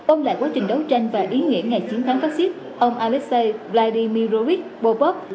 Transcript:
ông lại quá trình đấu tranh và ý nghĩa ngày chiến thắng phát xít ông alexei vladimirovich popov